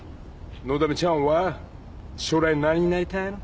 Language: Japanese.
のだめちゃんは将来何になりたいの？